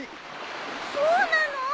そうなの？